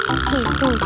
udah nih ilham